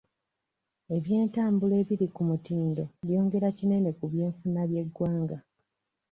Eby'entabula ebiri ku mutindo byongera kinene ku by'enfuna by'eggwanga.